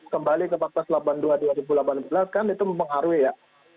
kembali ke paktas delapan puluh dua dua ribu delapan belas kan itu mempengaruhi ya